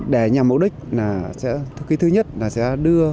để nhằm mục đích là cái thứ nhất là sẽ đưa